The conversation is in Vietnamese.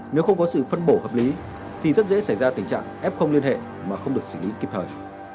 nếu không có sự phân bổ hợp lý thì rất dễ xảy ra tình trạng f không liên hệ mà không được xử lý kịp thời